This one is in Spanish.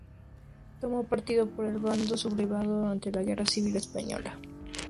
Tomó partido por el bando sublevado durante la Guerra Civil Española.